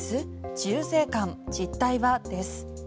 重税感、実態はです。